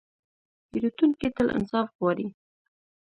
پیرودونکی تل انصاف غواړي.